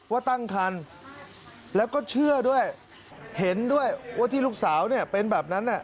ว่าตั้งคันแล้วก็เชื่อด้วยเห็นด้วยว่าที่ลูกสาวเนี่ยเป็นแบบนั้น